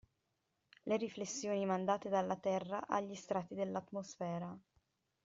Le riflessioni mandate dalla Terra agli strati dell'atmosfera.